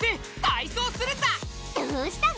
どうしたの？